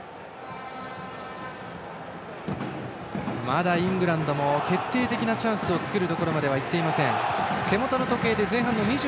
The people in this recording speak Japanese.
まだイングランドも決定的なチャンスを作るところまではいっていません。